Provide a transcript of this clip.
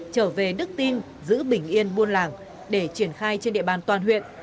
trở về đức tin giữ bình yên buôn làng để triển khai trên địa bàn toàn huyện